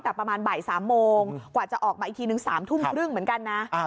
แต่ประมาณบ่าย๓โมงกว่าจะออกมาอีกทีนึง๓ทุ่มครึ่งเหมือนกันนะ